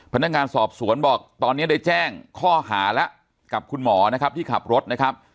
พนักงานสอบสวนบอกตอนนี้ได้แจ้งข้อหาแล้วกับคุณหมอนะครับที่ขับรถนะครับ